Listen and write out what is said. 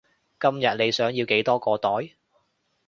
今日你想要幾多個袋？